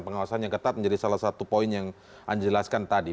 pengawasan yang ketat menjadi salah satu poin yang anda jelaskan tadi